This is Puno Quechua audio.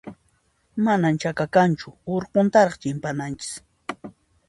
Manan chaka kanchu, urquntaraq chimpananchis.